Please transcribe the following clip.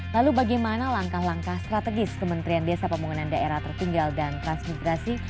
lalu bagaimana langkah langkah strategis kementerian desa pembangunan daerah tertinggal dan transmigrasi